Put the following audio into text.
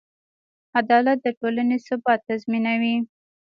عدالت د ټولنې ثبات تضمینوي.